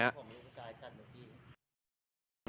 ผมรูปผู้ชายกัดเหมือนพี่